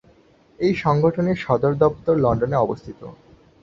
এই সংগঠনের সদরদপ্তর লন্ডনে অবস্থিত।